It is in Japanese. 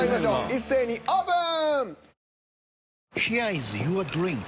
一斉にオープン！